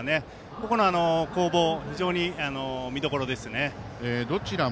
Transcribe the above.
ここの攻防、見どころですね。